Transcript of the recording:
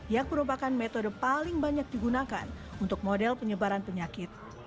yang merupakan metode paling banyak digunakan untuk model penyebaran penyakit